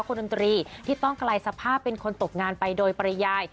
ดนตรีที่ต้องกลายสภาพเป็นคนตกงานไปโดยปริยาย